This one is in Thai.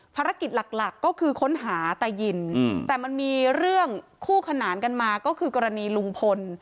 ภารกิจหลักก็คือค้นหาตายินแต่มันมีเรื่องคู่ขนานกันมาก็คือกรณีลุงพล